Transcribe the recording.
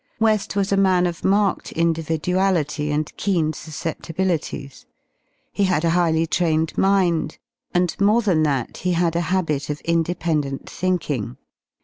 IVeSl was a man of marked individuality and keen suscepti "^ bilities. He had a highly trained mind y and more than that, he ^ had a habit of independent thinking.